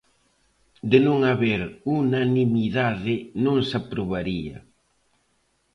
De non haber unanimidade, non se aprobaría.